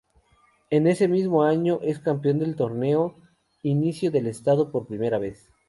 En ese mismo año es campeón del torneo inicio del estado por primera vez.